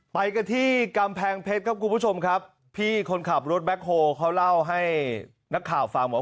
ไปกันที่กำแพงเพชรครับคุณผู้ชมครับพี่คนขับรถแบ็คโฮเขาเล่าให้นักข่าวฟังว่า